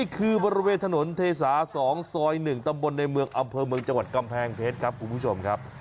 คือบริเวณถนนเทสา๒ซอย๑ตำบลในเมืองอำเภอเมืองจังหวัดกำแพงเพชรครับคุณผู้ชมครับ